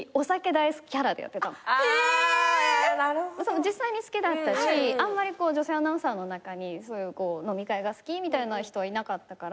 実際に好きだったしあんまり女性アナウンサーの中に飲み会が好きみたいな人はいなかったから。